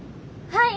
はい！